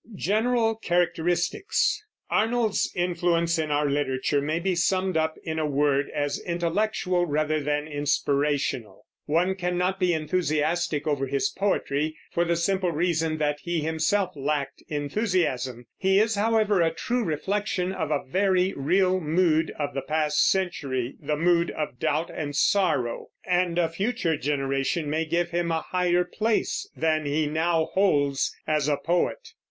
GENERAL CHARACTERISTICS. Arnold's influence in our literature may be summed up, in a word, as intellectual rather than inspirational. One cannot be enthusiastic over his poetry, for the simple reason that he himself lacked enthusiasm. He is, however, a true reflection of a very real mood of the past century, the mood of doubt and sorrow; and a future generation may give him a higher place than he now holds as a poet.